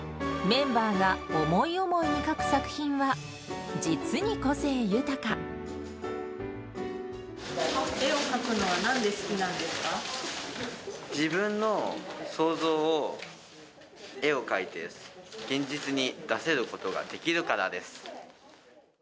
メンバーが思い思いに描く作絵を描くのは、なんで好きな自分の想像を、絵を描いて、現実に出せることができるからです。